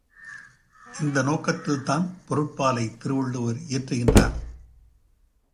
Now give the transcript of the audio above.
இந்த நோக்கத்தில்தான் பொருட்பாலைத் திருவள்ளுவர் இயற்றுகின்றார்.